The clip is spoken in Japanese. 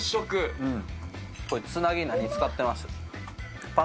これ、つなぎ、何使ってます？